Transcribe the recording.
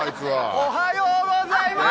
おはようございます！